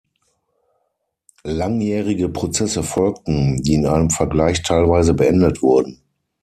Langjährige Prozesse folgten, die in einem Vergleich teilweise beendet wurden.